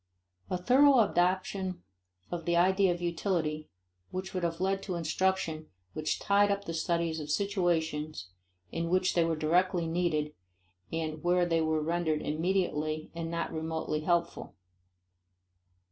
A thorough adoption of the idea of utility would have led to instruction which tied up the studies to situations in which they were directly needed and where they were rendered immediately and not remotely helpful.